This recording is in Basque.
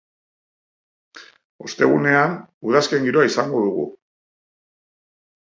Ostegunean, udazken giroa izango dugu.